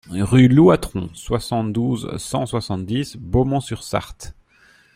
Rue Louatron, soixante-douze, cent soixante-dix Beaumont-sur-Sarthe